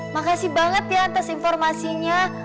makasih banget ya atas informasinya